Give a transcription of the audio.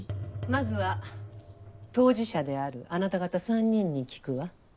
まずは当事者であるあなた方３人に聞くわ。